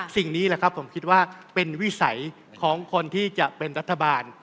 สิ่งนี้แหละครับผมคิดว่าเป็นวิสัยของคนที่จะเป็นรัฐบาล